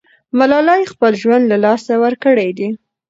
ملالۍ خپل ژوند له لاسه ورکړی دی.